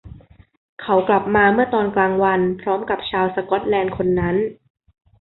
เขากลับมาเมื่อตอนกลางวันพร้อมกับชาวสก็อตแลนด์คนนั้น